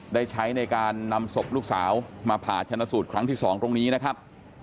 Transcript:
ได้ใช้ในการนำศพลูกสาวมาผ่าชนะสูตรครั้งที่๒ตรงนี้นะครับ